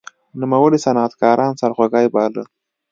نوموړي صنعتکاران سرخوږی باله.